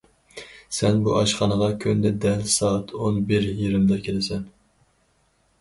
سەن بۇ ئاشخانىغا كۈندە دەل سائەت ئون بىر يېرىمدا كېلىسەن.